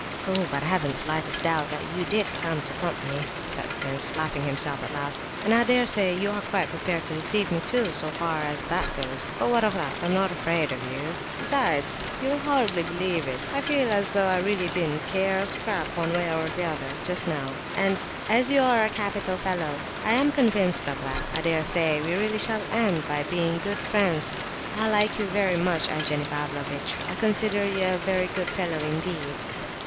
"Oh, but I haven't the slightest doubt that you did come to pump me," said the prince, laughing himself, at last; "and I dare say you are quite prepared to deceive me too, so far as that goes. But what of that? I'm not afraid of you; besides, you'll hardly believe it, I feel as though I really didn't care a scrap one way or the other, just now!—And—and—and as you are a capital fellow, I am convinced of that, I dare say we really shall end by being good friends. I like you very much Evgenie Pavlovitch; I consider you a very good fellow indeed."